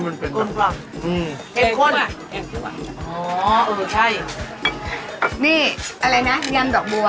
นี่อะไรนะยำดอกบัวยำดอกบัวจ๊ะอันนี้ข้าวตำเขาใส่ข้าวพวดหน่อยนึงค่ะ